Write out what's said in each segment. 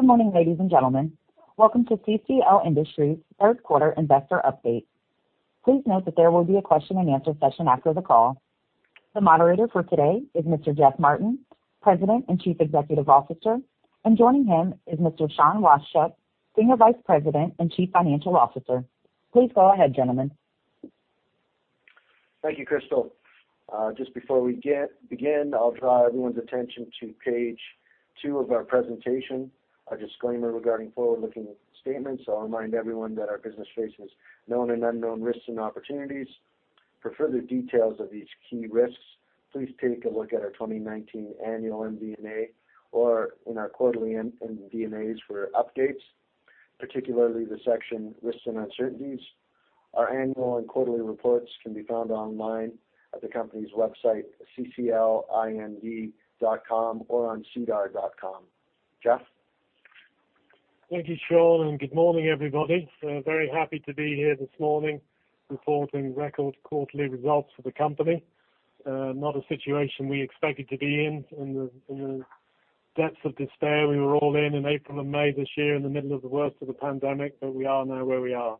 Good morning, ladies and gentlemen. Welcome to CCL Industries' Third Quarter Investor Update. Please note that there will be a question and answer session after the call. The moderator for today is Mr. Geoff Martin, President and Chief Executive Officer, and joining him is Mr. Sean Washchuk, Senior Vice President and Chief Financial Officer. Please go ahead, gentlemen. Thank you, Crystal. Just before we begin, I'll draw everyone's attention to page two of our presentation, our disclaimer regarding forward-looking statements. I'll remind everyone that our business faces known and unknown risks and opportunities. For further details of these key risks, please take a look at our 2019 annual MD&A or in our quarterly MD&As for updates, particularly the section Risks and Uncertainties. Our annual and quarterly reports can be found online at the company's website, cclind.com or on sedar.com. Geoff? Thank you, Sean, good morning, everybody. Very happy to be here this morning reporting record quarterly results for the company. Not a situation we expected to be in the depths of despair we were all in in April and May this year in the middle of the worst of the pandemic, but we are now where we are.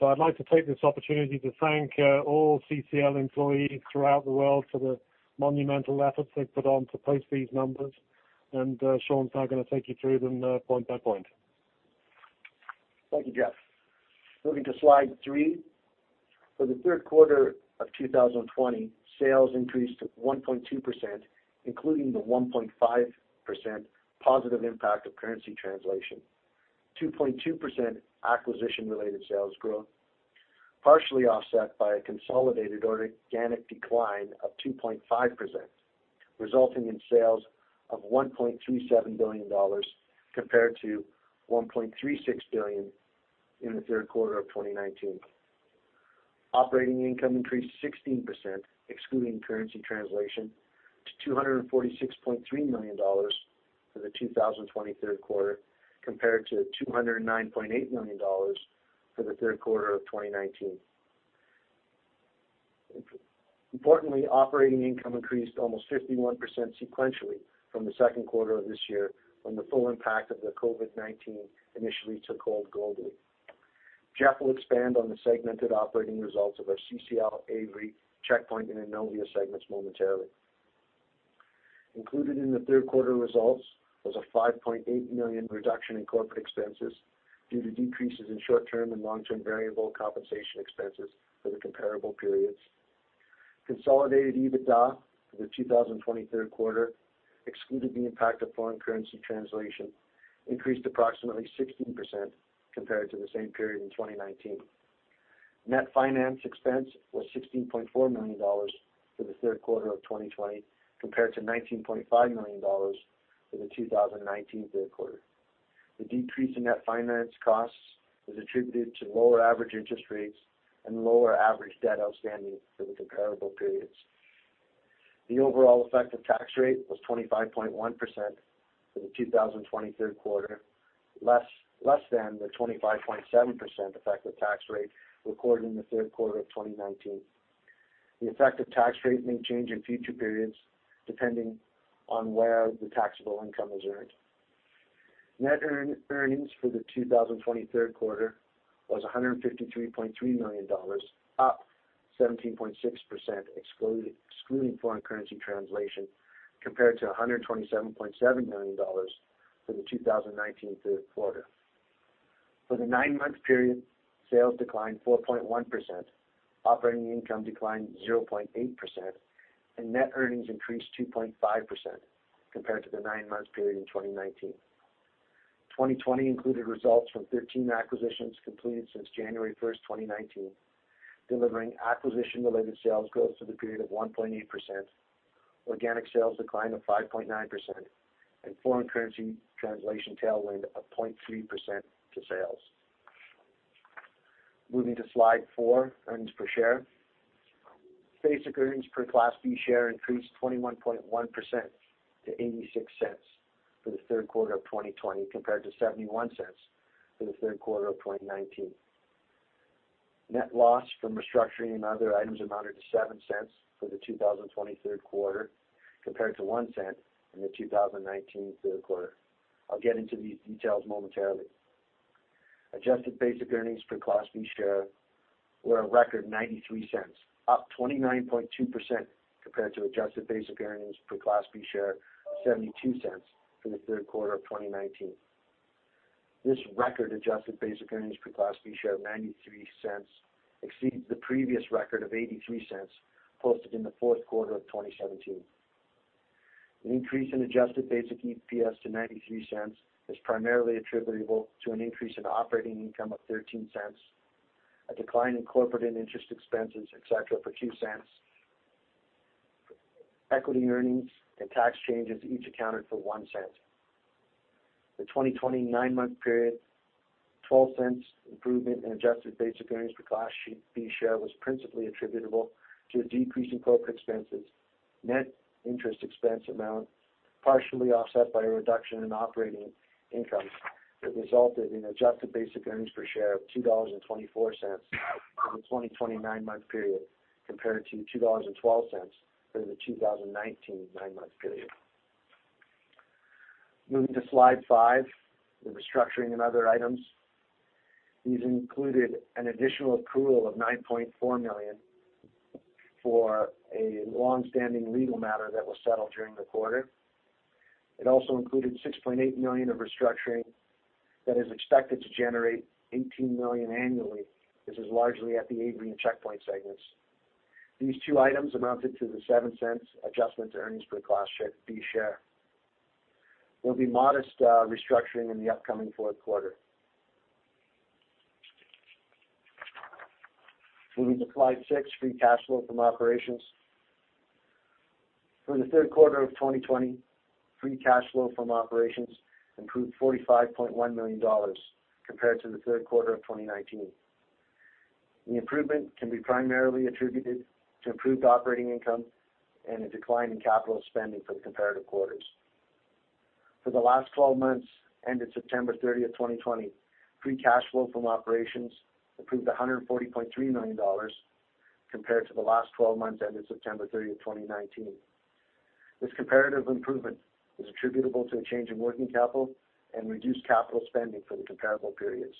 I'd like to take this opportunity to thank all CCL employees throughout the world for the monumental efforts they've put on to post these numbers. Sean's now going to take you through them point by point. Thank you, Geoff. Moving to slide three. For the third quarter of 2020, sales increased to 1.2%, including the 1.5% positive impact of currency translation, 2.2% acquisition-related sales growth, partially offset by a consolidated organic decline of 2.5%, resulting in sales of 1.37 billion dollars compared to 1.36 billion in the third quarter of 2019. Operating income increased 16%, excluding currency translation, to 246.3 million dollars for the 2020 third quarter, compared to 209.8 million dollars for the third quarter of 2019. Importantly, operating income increased almost 51% sequentially from the second quarter of this year from the full impact of the COVID-19 initially took hold globally. Geoff will expand on the segmented operating results of our CCL, Avery, Checkpoint, and Innovia segments momentarily. Included in the third quarter results was a 5.8 million reduction in corporate expenses due to decreases in short-term and long-term variable compensation expenses for the comparable periods. Consolidated EBITDA for the 2020 third quarter, excluding the impact of foreign currency translation, increased approximately 16% compared to the same period in 2019. Net finance expense was 16.4 million dollars for the third quarter of 2020, compared to 19.5 million dollars for the 2019 third quarter. The decrease in net finance costs is attributed to lower average interest rates and lower average debt outstanding for the comparable periods. The overall effective tax rate was 25.1% for the 2020 third quarter, less than the 25.7% effective tax rate recorded in the third quarter of 2019. The effective tax rate may change in future periods, depending on where the taxable income is earned. Net earnings for the 2020 third quarter was 153.3 million dollars, up 17.6%, excluding foreign currency translation, compared to 127.7 million dollars for the 2019 third quarter. For the nine-month period, sales declined 4.1%, operating income declined 0.8%, and net earnings increased 2.5% compared to the nine-month period in 2019. 2020 included results from 13 acquisitions completed since January 1st, 2019, delivering acquisition-related sales growth for the period of 1.8%, organic sales decline of 5.9%, and foreign currency translation tailwind of 0.3% to sales. Moving to slide four, earnings per share. Basic earnings per Class B share increased 21.1% to 0.86 for the third quarter of 2020 compared to 0.71 for the third quarter of 2019. Net loss from restructuring and other items amounted to 0.07 for the 2020 third quarter compared to 0.01 in the 2019 third quarter. I'll get into these details momentarily. Adjusted basic earnings per Class B share were a record 0.93, up 29.2% compared to adjusted basic earnings per Class B share of 0.72 for the third quarter of 2019. This record adjusted basic earnings per Class B share of 0.93 exceeds the previous record of 0.83 posted in the fourth quarter of 2017. An increase in adjusted basic EPS to 0.93 is primarily attributable to an increase in operating income of 0.13, a decline in corporate and interest expenses, et cetera, for 0.02. Equity earnings and tax changes each accounted for 0.01. The 2020 nine-month period 0.12 improvement in adjusted basic earnings per Class B share was principally attributable to a decrease in corporate expenses, net interest expense amount, partially offset by a reduction in operating income. That resulted in adjusted basic earnings per share of 2.24 dollars for the 2020 nine-month period, compared to 2.12 dollars for the 2019 nine-month period. Moving to slide five, the restructuring and other items. These included an additional accrual of 9.4 million for a long-standing legal matter that was settled during the quarter. It also included 6.8 million of restructuring that is expected to generate 18 million annually. This is largely at the Avery and Checkpoint segments. These two items amounted to the 0.07 adjustment to earnings per Class B share. There will be modest restructuring in the upcoming fourth quarter. Moving to slide six, free cash flow from operations. For the third quarter of 2020, free cash flow from operations improved 45.1 million dollars compared to the third quarter of 2019. The improvement can be primarily attributed to improved operating income and a decline in capital spending for the comparative quarters. For the last 12 months ended September 30th, 2020, free cash flow from operations improved 140.3 million dollars compared to the last 12 months ended September 30th, 2019. This comparative improvement is attributable to a change in working capital and reduced capital spending for the comparable periods.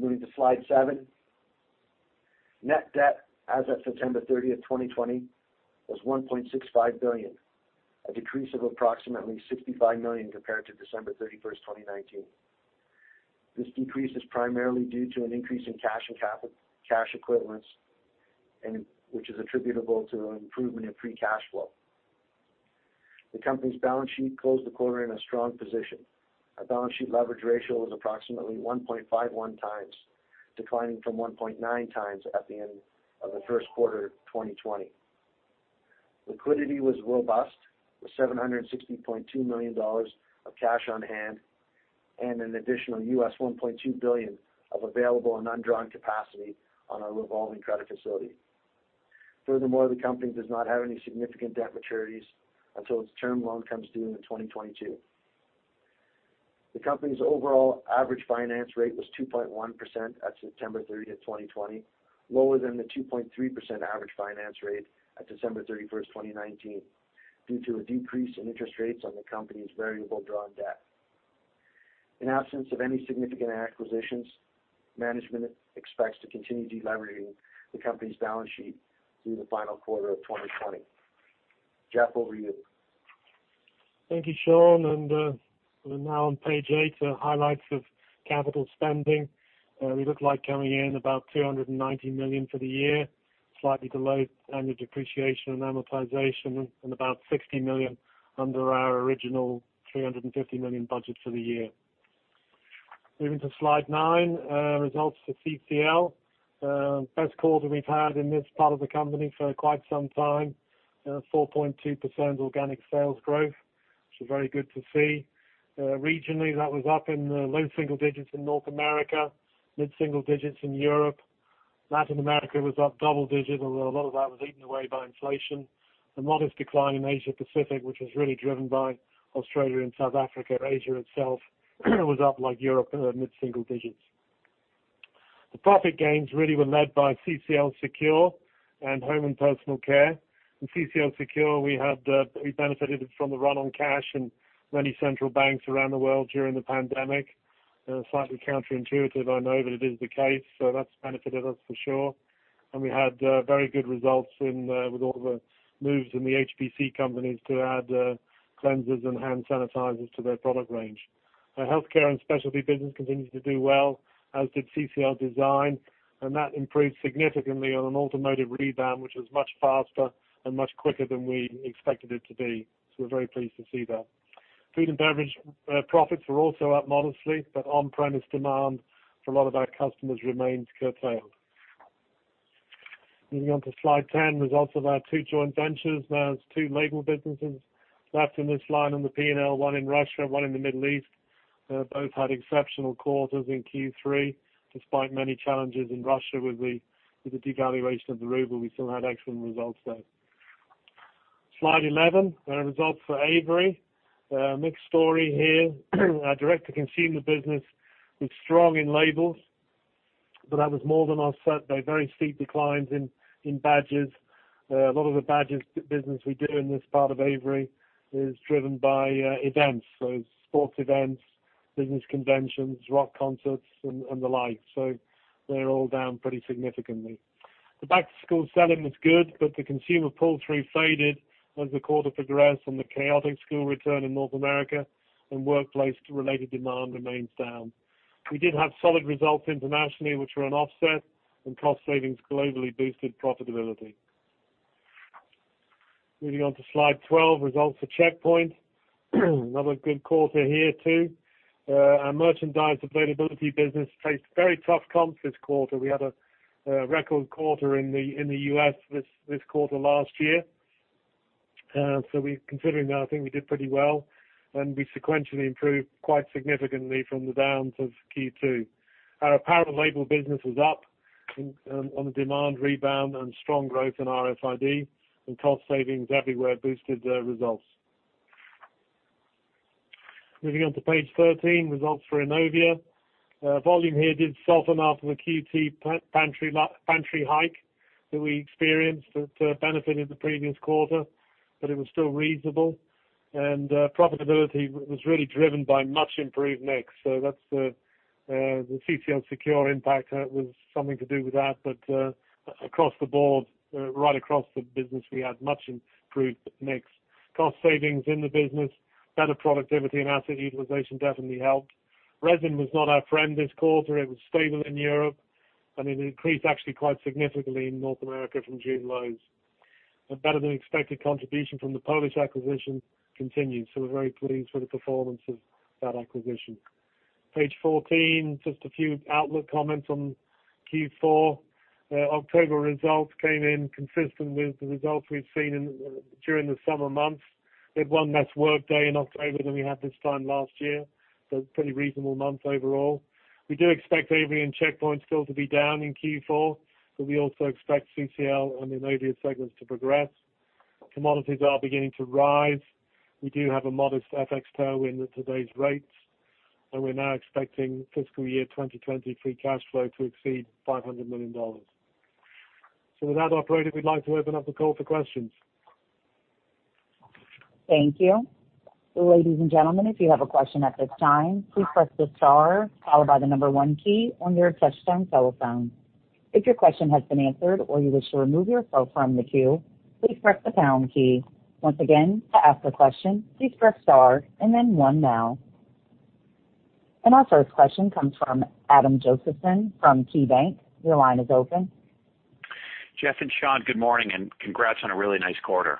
Moving to slide seven. Net debt as of September 30th, 2020, was 1.65 billion, a decrease of approximately 65 million compared to December 31st, 2019. This decrease is primarily due to an increase in cash equivalents, which is attributable to an improvement in free cash flow. The company's balance sheet closed the quarter in a strong position. Our balance sheet leverage ratio was approximately 1.51x, declining from 1.9x at the end of the first quarter 2020. Liquidity was robust, with 760.2 million dollars of cash on hand and an additional US $1.2 billion of available and undrawn capacity on our revolving credit facility. Furthermore, the company does not have any significant debt maturities until its term loan comes due in 2022. The company's overall average finance rate was 2.1% at September 30th, 2020, lower than the 2.3% average finance rate at December 31st, 2019, due to a decrease in interest rates on the company's variable drawn debt. In absence of any significant acquisitions, management expects to continue deleveraging the company's balance sheet through the final quarter of 2020. Geoff, over to you. Thank you, Sean, we're now on page eight, the highlights of capital spending. We look like coming in about 290 million for the year, slightly below annual depreciation and amortization, and about 60 million under our original 350 million budget for the year. Moving to slide nine, results for CCL. Best quarter we've had in this part of the company for quite some time. 4.2% organic sales growth, which is very good to see. Regionally, that was up in the low single digits in North America, mid-single digits in Europe. Latin America was up double digits, although a lot of that was eaten away by inflation. A modest decline in Asia Pacific, which was really driven by Australia and South Africa. Asia itself was up like Europe, mid-single digits. The profit gains really were led by CCL Secure and Home & Personal Care. In CCL Secure, we benefited from the run on cash in many central banks around the world during the pandemic. Slightly counterintuitive, I know, but it is the case. That's benefited us for sure. We had very good results with all the moves in the HPC companies to add cleansers and hand sanitizers to their product range. Our healthcare and specialty business continued to do well, as did CCL Design, and that improved significantly on an automotive rebound, which was much faster and much quicker than we expected it to be. We're very pleased to see that. Food and beverage profits were also up modestly, but on-premise demand for a lot of our customers remains curtailed. Moving on to slide 10, results of our two joint ventures. There's two label businesses left in this line on the P&L, one in Russia and one in the Middle East. Both had exceptional quarters in Q3. Despite many challenges in Russia with the devaluation of the ruble, we still had excellent results there. Slide 11, results for Avery. A mixed story here. Our direct-to-consumer business was strong in labels, but that was more than offset by very steep declines in badges. A lot of the badges business we do in this part of Avery is driven by events. Sports events, business conventions, rock concerts, and the like. They're all down pretty significantly. The back-to-school selling was good, but the consumer pull-through faded as the quarter progressed and the chaotic school return in North America and workplace-related demand remains down. We did have solid results internationally, which were an offset, and cost savings globally boosted profitability. Moving on to slide 12, results for Checkpoint. Another good quarter here, too. Our merchandise availability business faced very tough comps this quarter. We had a record quarter in the U.S. this quarter last year. Considering that, I think we did pretty well, and we sequentially improved quite significantly from the downs of Q2. Our apparel label business was up on the demand rebound and strong growth in RFID and cost savings everywhere boosted the results. Moving on to page 13, results for Innovia. Volume here did soften after the Q2 pantry hike that we experienced that benefited the previous quarter, but it was still reasonable. Profitability was really driven by much improved mix. That's the CCL Secure impact was something to do with that. Across the board, right across the business, we had much improved mix. Cost savings in the business, better productivity and asset utilization definitely helped. Resin was not our friend this quarter. It was stable in Europe, and it increased actually quite significantly in North America from June lows. A better than expected contribution from the Polish acquisition continued. We're very pleased with the performance of that acquisition. Page 14, just a few outlook comments on Q4. October results came in consistent with the results we've seen during the summer months. We had one less workday in October than we had this time last year, pretty reasonable month overall. We do expect Avery and Checkpoint still to be down in Q4, we also expect CCL and Innovia segments to progress. Commodities are beginning to rise. We do have a modest FX tailwind at today's rates, we're now expecting fiscal year 2020 free cash flow to exceed 500 million dollars. With that, operator, we'd like to open up the call for questions. Thank you. Ladies and gentlemen, if you have a question at this time, please press the star followed by the number one key on your touchtone telephone. If your question has been answered or you wish to remove your phone from the queue, please press the pound key. Once again, to ask a question, please press star and then one now. Our first question comes from Adam Josephson from KeyBanc Capital Markets. Your line is open. Geoff and Sean, good morning, and congrats on a really nice quarter.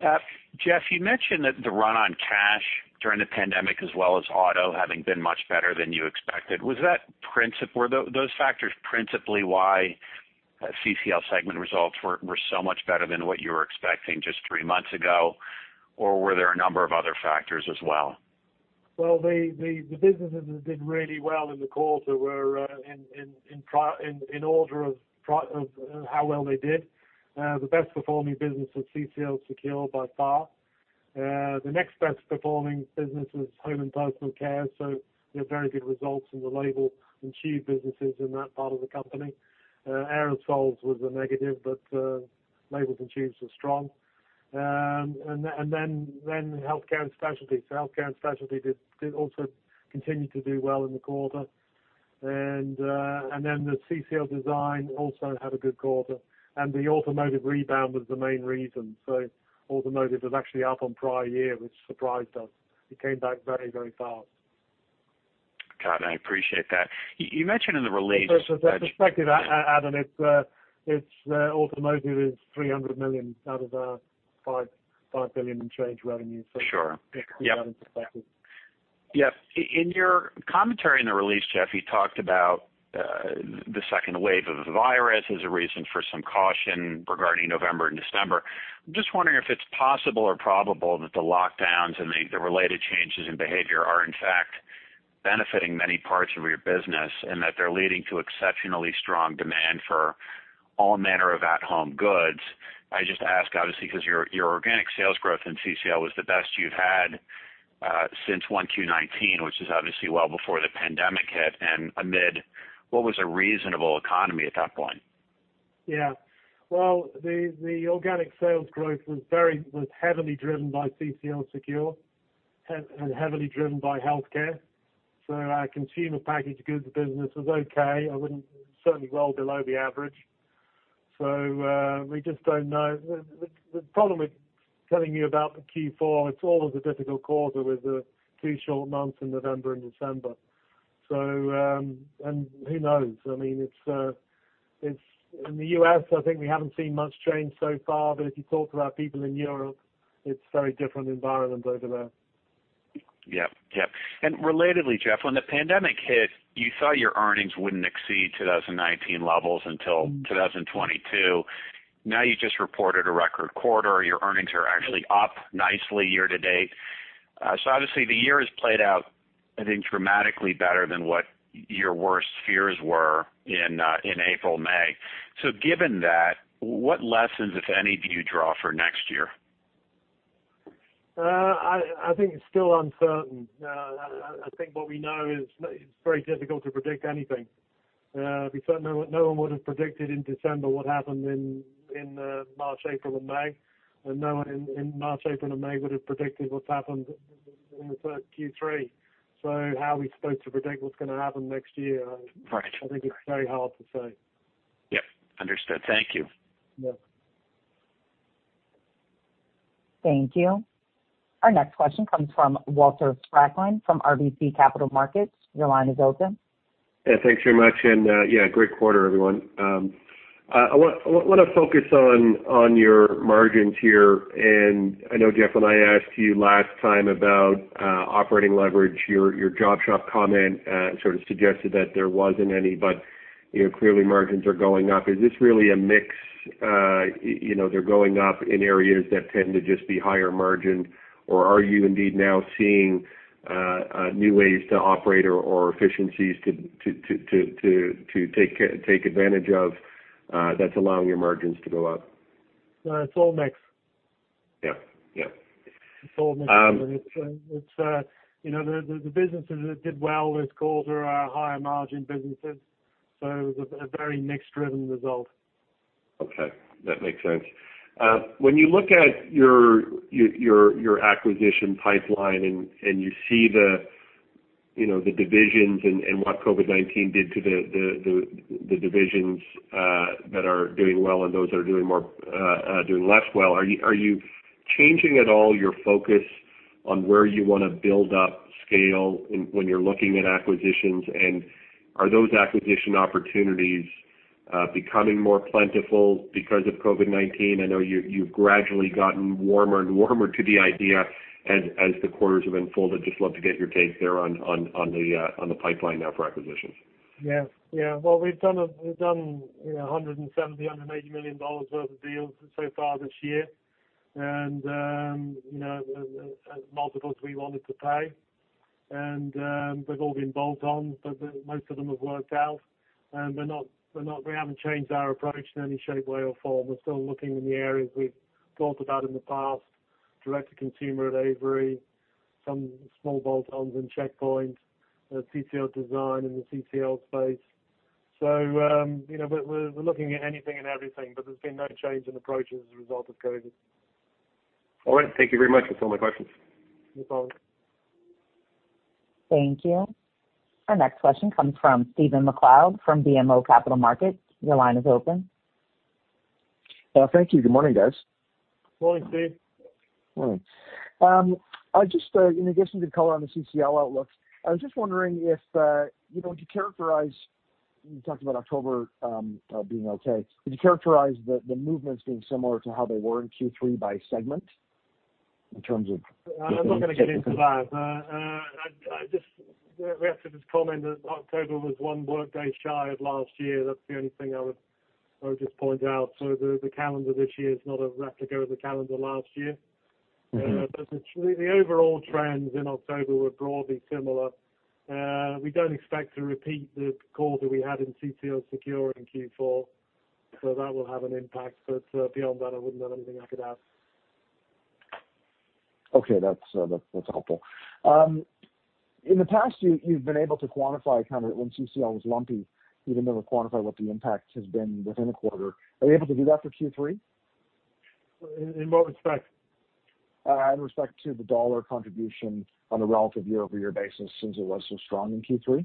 Thank you, Adam. Geoff, you mentioned that the run on cash during the pandemic, as well as auto having been much better than you expected. Were those factors principally why CCL segment results were so much better than what you were expecting just three months ago? Were there a number of other factors as well? Well, the businesses that did really well in the quarter were, in order of how well they did, the best performing business was CCL Secure by far. The next best performing business was Home & Personal Care. We had very good results in the label and tube businesses in that part of the company. Aerosols was a negative, labels and tubes were strong. Healthcare and specialty did also continue to do well in the quarter. The CCL Design also had a good quarter. The automotive rebound was the main reason. Automotive was actually up on prior year, which surprised us. It came back very fast. Got it. I appreciate that. You mentioned in the release- For perspective, Adam, automotive is 300 million out of our 5 billion in change revenue. Sure. Yeah. It gives you that in perspective. Yeah. In your commentary in the release, Geoff, you talked about the second wave of the virus as a reason for some caution regarding November and December. I'm just wondering if it's possible or probable that the lockdowns and the related changes in behavior are in fact benefiting many parts of your business, and that they're leading to exceptionally strong demand for all manner of at-home goods. I just ask, obviously, because your organic sales growth in CCL was the best you've had since 1Q 2019, which is obviously well before the pandemic hit and amid what was a reasonable economy at that point. Yeah. Well, the organic sales growth was heavily driven by CCL Secure and heavily driven by healthcare. Our consumer packaged goods business was okay, certainly well below the average. We just don't know. The problem with telling you about the Q4, it's always a difficult quarter with the two short months in November and December. Who knows? In the U.S., I think we haven't seen much change so far, but if you talk to our people in Europe, it's very different environment over there. Yeah. Relatedly, Geoff, when the pandemic hit, you thought your earnings wouldn't exceed 2019 levels until 2022. Now you just reported a record quarter. Your earnings are actually up nicely year to date. Obviously the year has played out, I think, dramatically better than what your worst fears were in April/May. Given that, what lessons, if any, do you draw for next year? I think it's still uncertain. I think what we know is it's very difficult to predict anything. No one would have predicted in December what happened in March, April, and May. No one in March, April, and May would have predicted what's happened in Q3. How are we supposed to predict what's going to happen next year? Right. I think it's very hard to say. Yeah. Understood. Thank you. Yeah. Thank you. Our next question comes from Walter Spracklin from RBC Capital Markets. Your line is open. Yeah, thanks very much. Yeah, great quarter, everyone. I want to focus on your margins here. I know, Geoff, when I asked you last time about operating leverage, your job shop comment sort of suggested that there wasn't any. Clearly margins are going up. Is this really a mix? They're going up in areas that tend to just be higher margin, or are you indeed now seeing new ways to operate or efficiencies to take advantage of that's allowing your margins to go up? No, it's all mix. Yep. It's all mix. The businesses that did well this quarter are our higher margin businesses, so it was a very mix-driven result. Okay. That makes sense. When you look at your acquisition pipeline and you see the divisions and what COVID-19 did to the divisions that are doing well and those that are doing less well, are you changing at all your focus on where you want to build up scale when you're looking at acquisitions? Are those acquisition opportunities becoming more plentiful because of COVID-19? I know you've gradually gotten warmer and warmer to the idea as the quarters have unfolded. Just love to get your take there on the pipeline now for acquisitions. Yeah. Well, we've done 170 million-180 million dollars worth of deals so far this year, at multiples we wanted to pay, and they've all been bolt-ons, but most of them have worked out. We haven't changed our approach in any shape, way or form. We're still looking in the areas we've talked about in the past, direct to consumer at Avery, some small bolt-ons in Checkpoint, CCL Design in the CCL space. We're looking at anything and everything, but there's been no change in approach as a result of COVID. All right. Thank you very much. That's all my questions. No problem. Thank you. Our next question comes from Stephen MacLeod from BMO Capital Markets. Your line is open. Thank you. Good morning, guys. Morning, Stephen. Morning. I just, in addition to the color on the CCL outlooks, I was just wondering, would you characterize, you talked about October being okay, would you characterize the movements being similar to how they were in Q3 by segment in terms of? I'm not going to get into that. I just reacted to this comment that October was one workday shy of last year. That's the only thing I would just point out. The calendar this year is not a replica of the calendar last year. The overall trends in October were broadly similar. We don't expect to repeat the call that we had in CCL Secure in Q4, so that will have an impact. Beyond that, I wouldn't have anything I could add. Okay, that's helpful. In the past, you've been able to quantify, when CCL was lumpy, you've been able to quantify what the impact has been within a quarter. Are you able to do that for Q3? In what respect? In respect to the dollar contribution on a relative year-over-year basis, since it was so strong in Q3.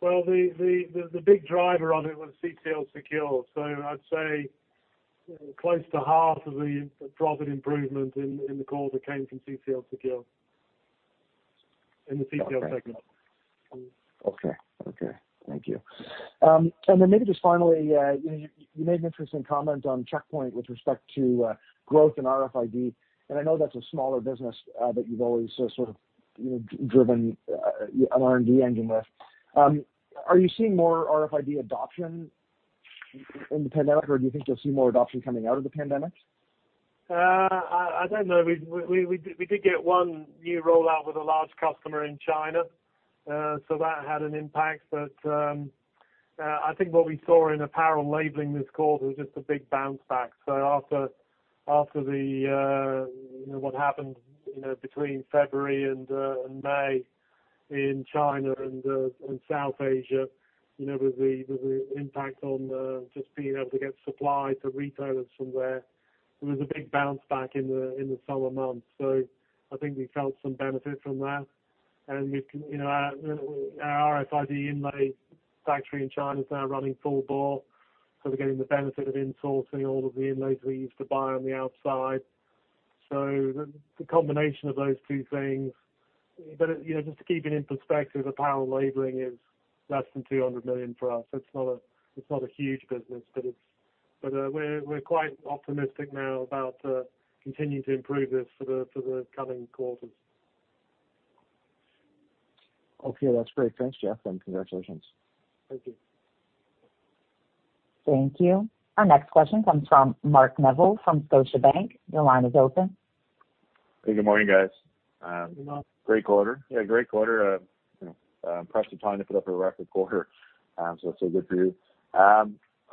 Well, the big driver of it was CCL Secure. I'd say close to half of the profit improvement in the quarter came from CCL Secure in the CCL segment. Okay. Thank you. Maybe just finally, you made an interesting comment on Checkpoint with respect to growth in RFID, and I know that's a smaller business that you've always sort of driven an R&D engine with. Are you seeing more RFID adoption in the pandemic, or do you think you'll see more adoption coming out of the pandemic? I don't know. We did get one new rollout with a large customer in China, that had an impact. I think what we saw in apparel labeling this quarter was just a big bounce back. After what happened between February and May in China and South Asia, with the impact on just being able to get supply to retailers from there was a big bounce back in the summer months. I think we felt some benefit from that. Our RFID inlay factory in China is now running full bore, we're getting the benefit of insourcing all of the inlays we used to buy on the outside. The combination of those two things. Just to keep it in perspective, apparel labeling is less than 200 million for us. It's not a huge business, but we're quite optimistic now about continuing to improve this for the coming quarters. Okay. That's great. Thanks, Geoff, and congratulations. Thank you. Thank you. Our next question comes from Mark Neville from Scotiabank. Your line is open. Hey, good morning, guys. Good morning. Great quarter. Yeah, great quarter. Impressive timing to put up a record quarter. It's all good for you. I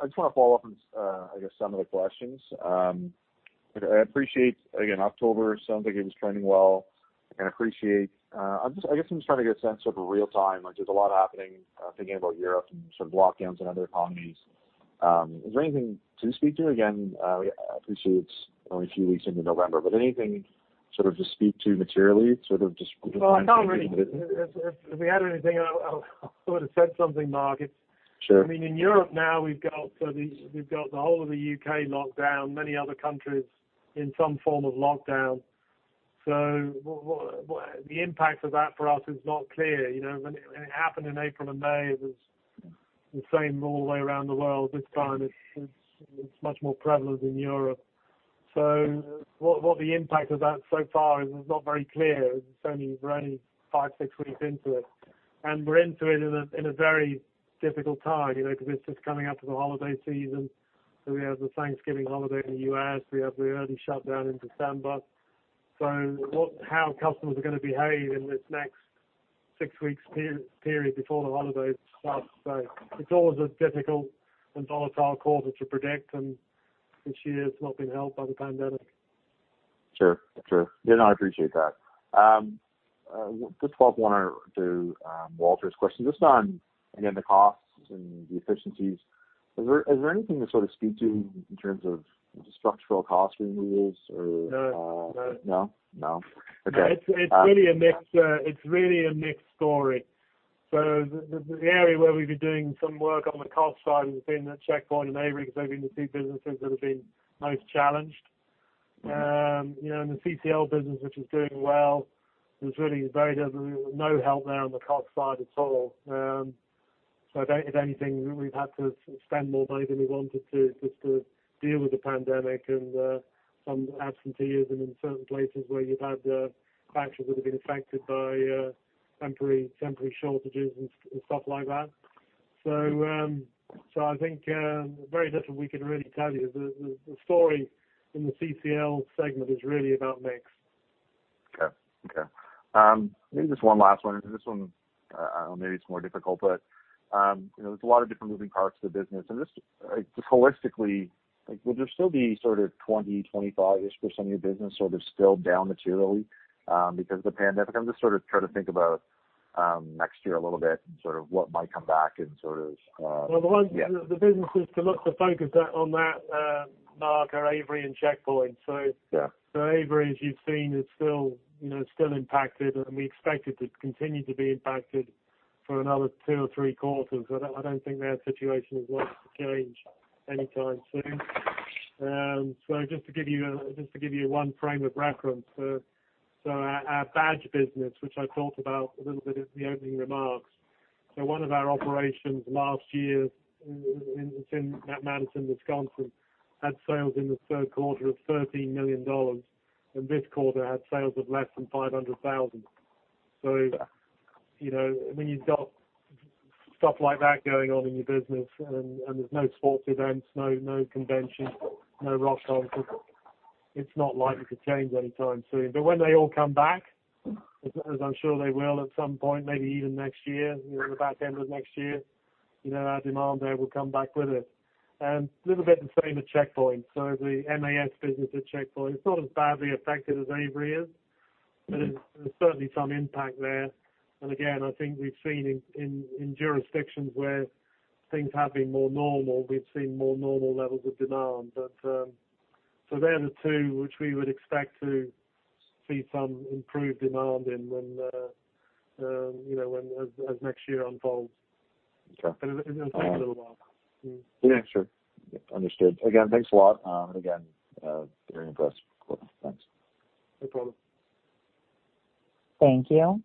just want to follow up on, I guess, some of the questions. I appreciate, again, October sounds like it was trending well. I guess I'm just trying to get a sense of real time. There's a lot happening, thinking about Europe and lockdowns in other economies. Is there anything to speak to? Again, I appreciate it's only a few weeks into November. Anything to speak to materially? Well, I can't. If we had anything, I would've said something, Mark. Sure. In Europe now, we've got the whole of the U.K. locked down, many other countries in some form of lockdown. The impact of that for us is not clear. When it happened in April and May, it was the same all the way around the world. This time, it's much more prevalent in Europe. The impact of that so far is not very clear. We're only five, six weeks into it. We're into it in a very difficult time, because it's just coming up to the holiday season. We have the Thanksgiving holiday in the U.S., we have the early shutdown in December. How customers are going to behave in this next six weeks period before the holidays starts. It's always a difficult and volatile quarter to predict, and this year it's not been helped by the pandemic. Sure. No, I appreciate that. The 12th one, to Walter's question, just on, again, the costs and the efficiencies. Is there anything to sort of speak to in terms of structural cost removals? No. No? Okay. It's really a mixed story. The area where we've been doing some work on the cost side has been at Checkpoint and Avery. Those have been the two businesses that have been most challenged. In the CCL business which is doing well, there's really very little, no help there on the cost side at all. If anything, we've had to spend more money than we wanted to, just to deal with the pandemic and some absenteeism in certain places where you've had factories that have been affected by temporary shortages and stuff like that. I think very little we can really tell you. The story in the CCL segment is really about mix. Okay. Maybe just one last one. This one, I don't know, maybe it's more difficult, but there's a lot of different moving parts to the business. Just holistically, will there still be sort of 20%, 25%-ish of your business sort of still down materially because of the pandemic? I'm just sort of trying to think about next year a little bit and sort of what might come back. Well, the businesses to focus on that, Mark, are Avery and Checkpoint. Yeah. Avery, as you've seen, is still impacted, and we expect it to continue to be impacted for another two or three quarters. I don't think their situation is going to change anytime soon. Just to give you one frame of reference. Our badge business, which I talked about a little bit at the opening remarks, one of our operations last year in Madison, Wisconsin, had sales in the third quarter of 13 million dollars, and this quarter had sales of less than 500,000. When you've got stuff like that going on in your business and there's no sports events, no conventions, no rock concerts, it's not likely to change anytime soon. When they all come back, as I'm sure they will at some point, maybe even next year, the back end of next year, our demand there will come back with it. A little bit the same at Checkpoint. The MAS business at Checkpoint, it's not as badly affected as Avery is. There's certainly some impact there. Again, I think we've seen in jurisdictions where things have been more normal, we've seen more normal levels of demand. They're the two which we would expect to see some improved demand in when as next year unfolds. Okay. It'll take a little while. Yeah, sure. Understood. Again, thanks a lot. Again, very impressed. Cool. Thanks. No problem. Thank you.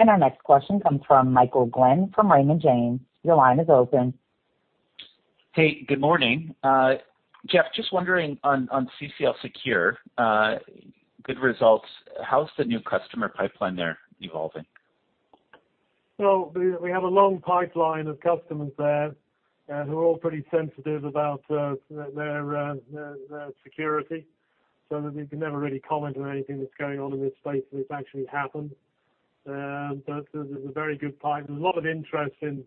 Our next question comes from Michael Glen from Raymond James. Your line is open. Hey, good morning. Geoff, just wondering on CCL Secure, good results. How's the new customer pipeline there evolving? We have a long pipeline of customers there, who are all pretty sensitive about their security. We can never really comment on anything that's going on in this space until it's actually happened. There's a very good pipe. There's a lot of interest in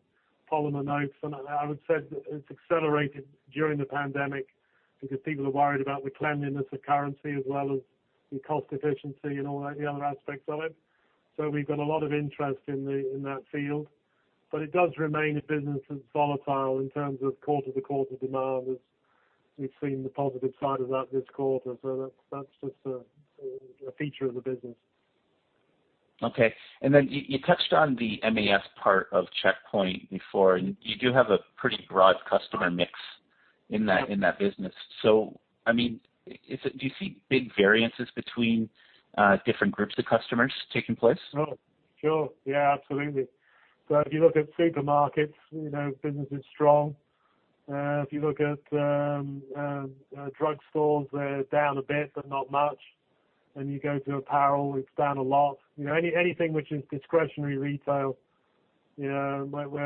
polymer notes, and I would say it's accelerated during the pandemic because people are worried about the cleanliness of currency as well as the cost efficiency and all the other aspects of it. We've got a lot of interest in that field. It does remain a business that's volatile in terms of quarter-to-quarter demand, as we've seen the positive side of that this quarter. That's just a feature of the business. Okay. You touched on the MAS part of Checkpoint before, and you do have a pretty broad customer mix in that business. Do you see big variances between different groups of customers taking place? Oh, sure. Yeah, absolutely. If you look at supermarkets, business is strong. If you look at drug stores, they're down a bit, but not much. You go to apparel, it's down a lot. Anything which is discretionary retail, where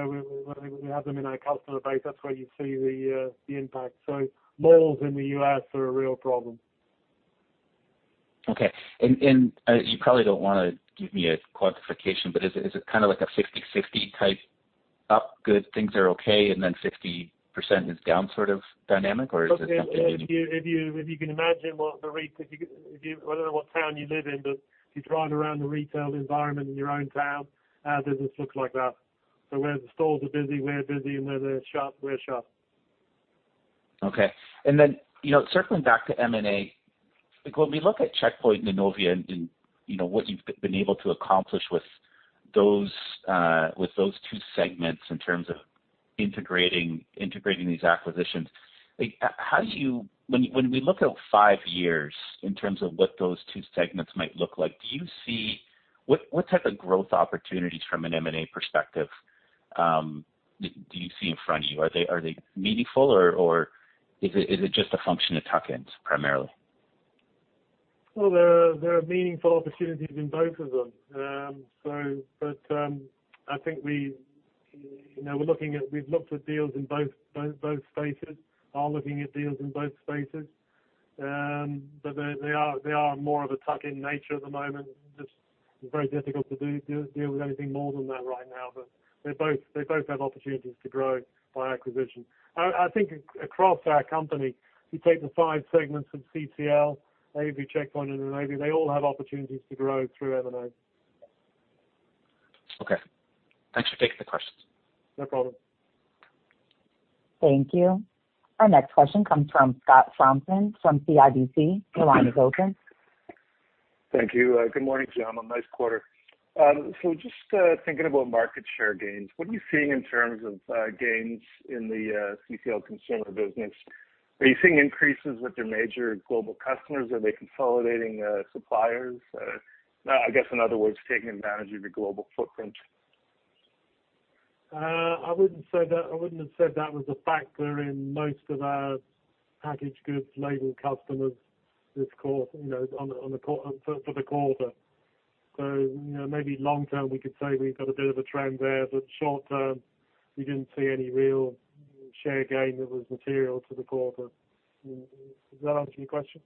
we have them in our customer base, that's where you see the impact. Malls in the U.S. are a real problem. Okay. You probably don't want to give me a quantification, but is it kind of like a 60/60 type up, good things are okay, and then 60% is down sort of dynamic? Or is it something? If you can imagine I don't know what town you live in, but if you drive around the retail environment in your own town, our business looks like that. Where the stores are busy, we're busy, and where they're sharp, we're sharp. Okay. Circling back to M&A, when we look at Checkpoint and Innovia and what you've been able to accomplish with those two segments in terms of integrating these acquisitions, when we look out five years in terms of what those two segments might look like, what type of growth opportunities from an M&A perspective do you see in front of you, are they meaningful or is it just a function of tuck-ins primarily? Well, there are meaningful opportunities in both of them. I think we've looked at deals in both spaces, are looking at deals in both spaces. They are more of a tuck-in nature at the moment, just very difficult to deal with anything more than that right now. They both have opportunities to grow by acquisition. I think across our company, if you take the five segments from CCL, Avery, Checkpoint, and Avery, they all have opportunities to grow through M&A. Okay. Thanks for taking the questions. No problem. Thank you. Our next question comes from Scott Fromson from CIBC. Your line is open. Thank you. Good morning to you all. Nice quarter. Just thinking about market share gains. What are you seeing in terms of gains in the CCL consumer business? Are you seeing increases with your major global customers? Are they consolidating suppliers? I guess, in other words, taking advantage of your global footprint. I wouldn't have said that was a factor in most of our packaged goods label customers for the quarter. Maybe long term, we could say we've got a bit of a trend there. Short term, we didn't see any real share gain that was material to the quarter. Does that answer your question?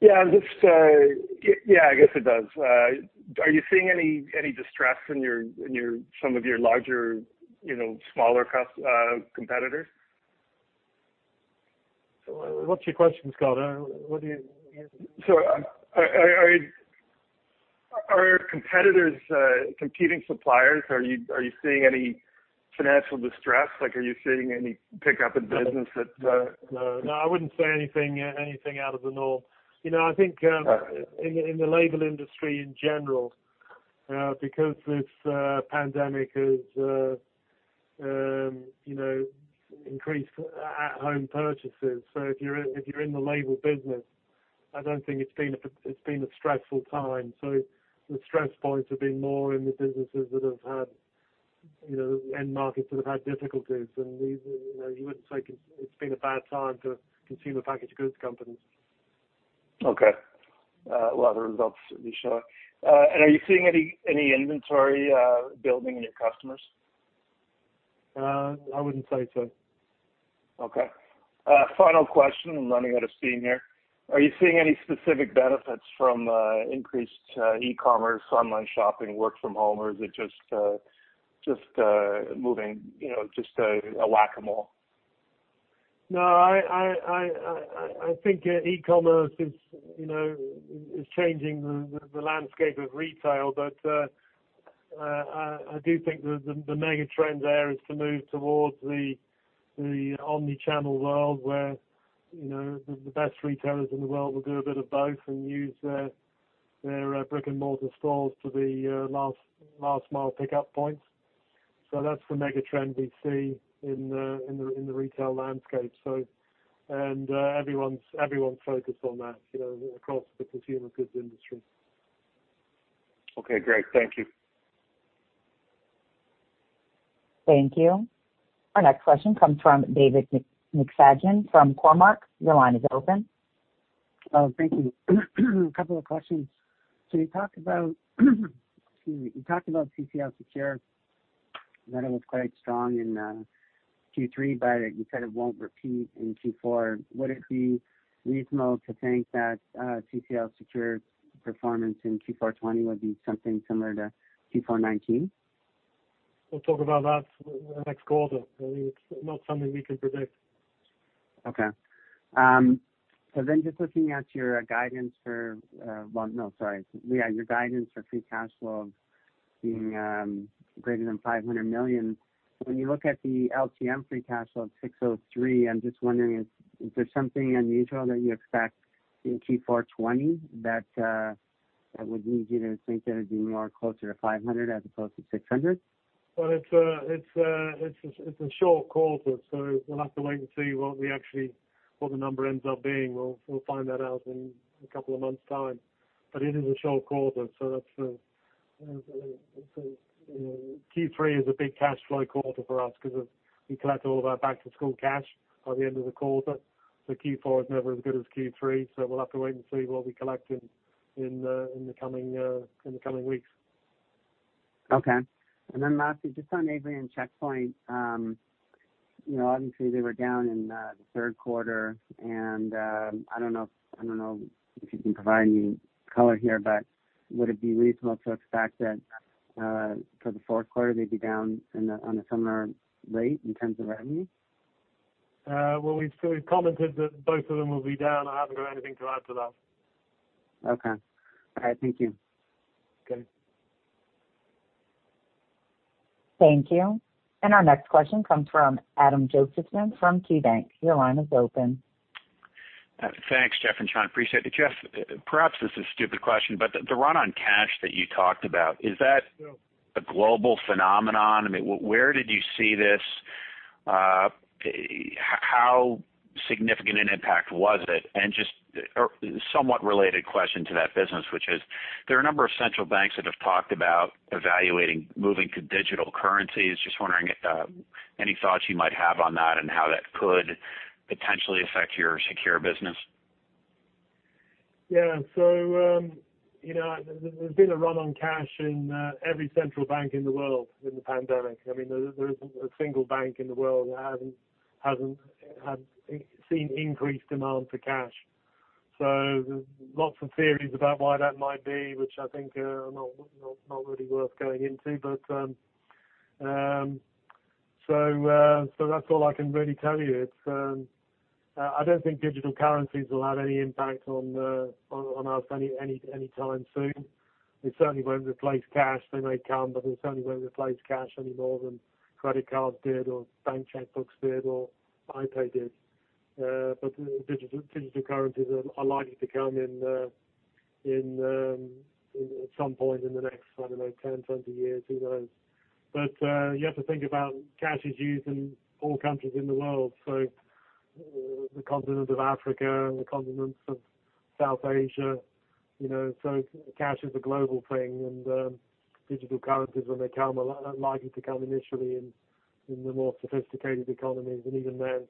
Yeah, I guess it does. Are you seeing any distress in some of your larger, smaller competitors? What's your question, Scott? Are competitors, competing suppliers, are you seeing any financial distress? Are you seeing any pickup in business? No. I wouldn't say anything out of the norm. All right. in the label industry in general, because this pandemic has increased at-home purchases. If you're in the label business, I don't think it's been a stressful time. The stress points have been more in the businesses that have had end markets that have had difficulties, and you wouldn't say it's been a bad time for consumer packaged goods companies. Okay. Well, the results certainly show it. Are you seeing any inventory building in your customers? I wouldn't say so. Final question. I'm running out of steam here. Are you seeing any specific benefits from increased e-commerce, online shopping, work from home, or is it just moving, just a whack-a-mole? I think e-commerce is changing the landscape of retail. I do think the mega trend there is to move towards the omni-channel world, where the best retailers in the world will do a bit of both and use their brick and mortar stores to the last mile pickup points. That's the mega trend we see in the retail landscape. Everyone's focused on that, across the consumer goods industry. Okay, great. Thank you. Thank you. Our next question comes from David McFadgen from Cormark. Your line is open. Thank you. A couple of questions. You talked about, excuse me, CCL Secure, that it was quite strong in Q3, but you said it won't repeat in Q4. Would it be reasonable to think that CCL Secure's performance in Q4 2020 would be something similar to Q4 2019? We'll talk about that next quarter. I mean, it's not something we can predict. Okay. Just looking at your guidance for, no, sorry. Yeah, your guidance for free cash flow being greater than 500 million. When you look at the LTM free cash flow of 603 million, I am just wondering, is there something unusual that you expect in Q4 2020 that would lead you to think that it would be more closer to 500 million as opposed to 600 million? Well, it's a short quarter, so we'll have to wait and see what the number ends up being. We'll find that out in a couple of months' time. It is a short quarter, so Q3 is a big cash flow quarter for us because we collect all of our back-to-school cash by the end of the quarter. Q4 is never as good as Q3, so we'll have to wait and see what we collect in the coming weeks. Okay. Lastly, just on Avery and Checkpoint. Obviously they were down in the third quarter, and I don't know if you can provide any color here, but would it be reasonable to expect that for the fourth quarter, they'd be down on a similar rate in terms of revenue? Well, we've commented that both of them will be down. I haven't got anything to add to that. Okay. All right. Thank you. Okay. Thank you. Our next question comes from Adam Josephson from KeyBanc Capital Markets. Thanks, Geoff and Sean. Appreciate it. Geoff, perhaps this is a stupid question, but the run on cash that you talked about, is that- No A global phenomenon? I mean, where did you see this? How significant an impact was it? Just a somewhat related question to that business, which is, there are a number of central banks that have talked about evaluating moving to digital currencies, just wondering any thoughts you might have on that and how that could potentially affect your Secure business. Yeah. There's been a run on cash in every central bank in the world with the pandemic. There isn't a single bank in the world that hasn't seen increased demand for cash. There's lots of theories about why that might be, which I think are not really worth going into. That's all I can really tell you. I don't think digital currencies will have any impact on us any time soon. They certainly won't replace cash. They may come, but they certainly won't replace cash any more than credit cards did or bank checkbooks did or Apple Pay did. Digital currencies are likely to come in at some point in the next, I don't know, 10, 20 years, who knows? You have to think about cash is used in all countries in the world, so the continent of Africa and the continents of South Asia. Cash is a global thing, and digital currencies, when they come, are likely to come initially in the more sophisticated economies. Even then,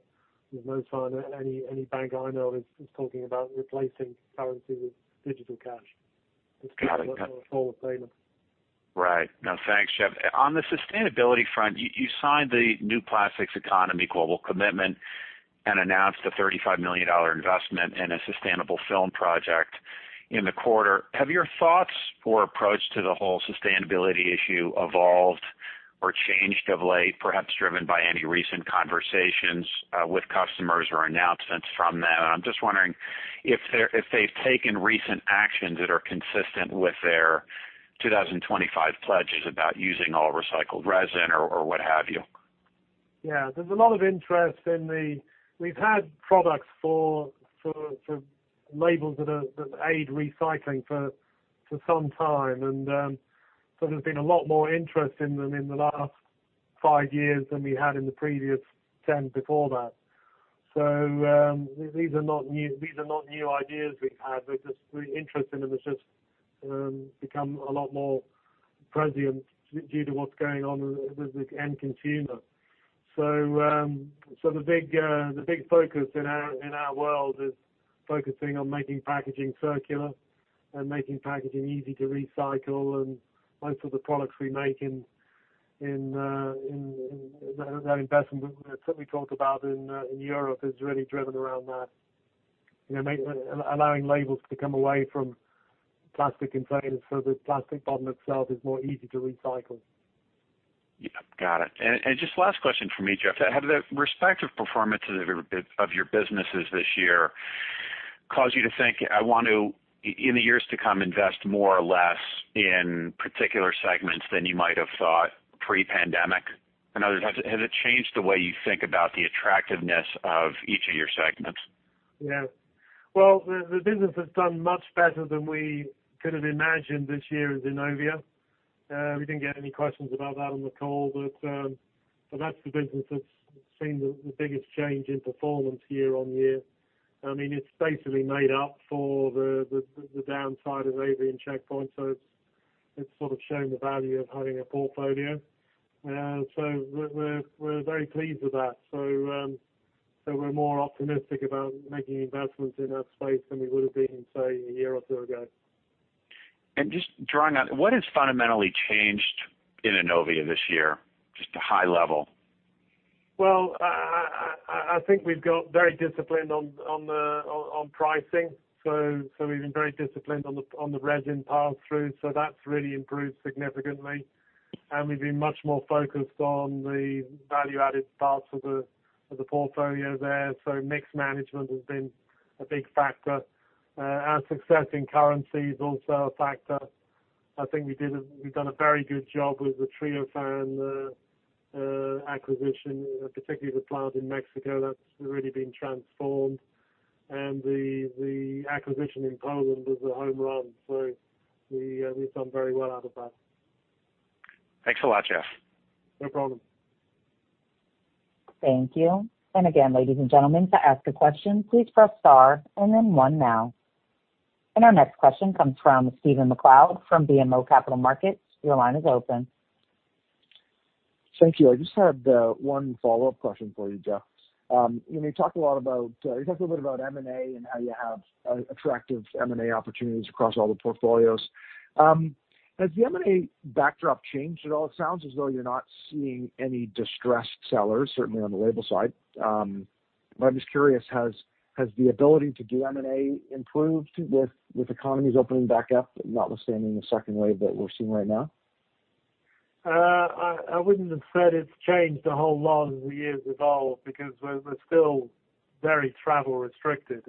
there's no sign any bank I know is talking about replacing currency with digital cash. Got it. It's kind of a forward payment. Right. No, thanks, Geoff. On the sustainability front, you signed the New Plastics Economy Global Commitment and announced a 35 million dollar investment in a sustainable film project in the quarter. Have your thoughts or approach to the whole sustainability issue evolved or changed of late, perhaps driven by any recent conversations with customers or announcements from them? I'm just wondering if they've taken recent actions that are consistent with their 2025 pledges about using all recycled resin or what have you. Yeah. There's a lot of interest. We've had products for labels that aid recycling for some time. There's been a lot more interest in them in the last five years than we had in the previous 10 before that. These are not new ideas we've had, but the interest in them has just become a lot more prescient due to what's going on with the end consumer. The big focus in our world is focusing on making packaging circular and making packaging easy to recycle. Most of the products we make in that investment that we talked about in Europe is really driven around that, allowing labels to come away from plastic containers so the plastic bottle itself is more easy to recycle. Yep, got it. Just last question from me, Geoff. Have the respective performances of your businesses this year caused you to think, I want to, in the years to come, invest more or less in particular segments than you might have thought pre-pandemic? In other words, has it changed the way you think about the attractiveness of each of your segments? The business has done much better than we could have imagined this year with Innovia. We didn't get any questions about that on the call, but that's the business that's seen the biggest change in performance year-on-year. It's basically made up for the downside of Avery and Checkpoint, so it's sort of shown the value of having a portfolio. We're very pleased with that. We're more optimistic about making investments in that space than we would've been, say, a year or two ago. Just drawing on, what has fundamentally changed in Innovia this year? Just a high level. Well, I think we've got very disciplined on pricing. We've been very disciplined on the resin pass-through, so that's really improved significantly. We've been much more focused on the value-added parts of the portfolio there, so mix management has been a big factor. Our success in currency is also a factor. I think we've done a very good job with the Treofan acquisition, particularly the plant in Mexico. That's really been transformed. The acquisition in Poland was a home run, so we've done very well out of that. Thanks a lot, Geoff. No problem. Thank you. Again, ladies and gentlemen, to ask a question, please press star and then one now. Our next question comes from Stephen MacLeod from BMO Capital Markets. Your line is open. Thank you. I just had one follow-up question for you, Geoff. You talked a little bit about M&A and how you have attractive M&A opportunities across all the portfolios. Has the M&A backdrop changed at all? It sounds as though you're not seeing any distressed sellers, certainly on the label side. I'm just curious, has the ability to do M&A improved with economies opening back up, notwithstanding the second wave that we're seeing right now? I wouldn't have said it's changed a whole lot as the year's evolved, because we're still very travel restricted.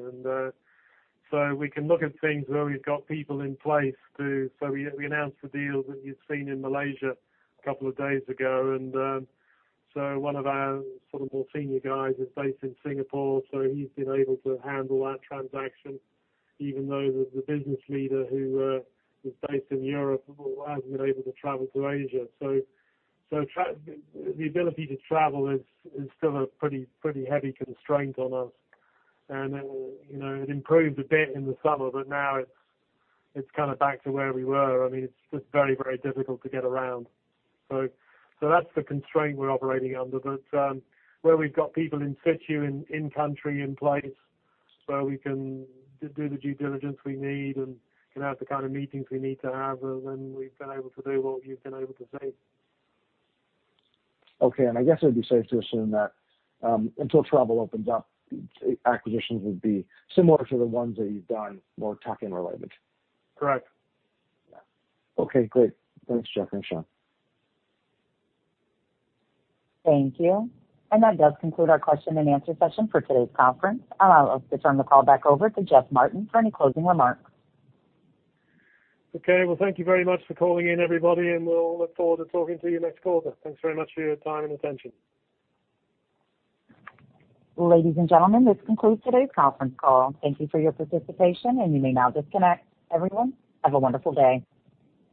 We can look at things where we've got people in place. We announced the deal that you'd seen in Malaysia a couple of days ago. One of our more senior guys is based in Singapore, so he's been able to handle that transaction even though the business leader who is based in Europe hasn't been able to travel to Asia. The ability to travel is still a pretty heavy constraint on us. It improved a bit in the summer, but now it's kind of back to where we were. It's just very difficult to get around. That's the constraint we're operating under. Where we've got people in situ, in country, in place, where we can do the due diligence we need and can have the kind of meetings we need to have, then we've been able to do what you've been able to see. Okay, I guess it would be safe to assume that until travel opens up, acquisitions would be similar to the ones that you've done more tuck-in related. Correct. Yeah. Okay, great. Thanks, Geoff and Sean. Thank you. That does conclude our question and answer session for today's conference. I'll allow us to turn the call back over to Geoff Martin for any closing remarks. Okay, well, thank you very much for calling in, everybody, and we'll look forward to talking to you next quarter. Thanks very much for your time and attention. Ladies and gentlemen, this concludes today's conference call. Thank you for your participation, and you may now disconnect. Everyone, have a wonderful day.